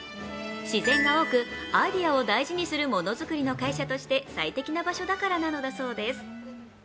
自然が多く、アイデアを大事にするものづくりの会社として最適な場所だからなのだそうです。